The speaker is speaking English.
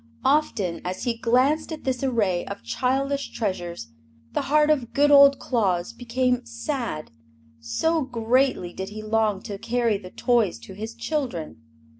Often, as he glanced at this array of childish treasures, the heart of good old Claus became sad, so greatly did he long to carry the toys to his children.